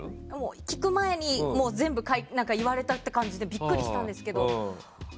聞く前に全部言われたって感じでビックリしたんですけど。